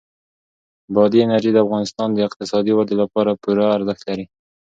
بادي انرژي د افغانستان د اقتصادي ودې لپاره پوره ارزښت لري.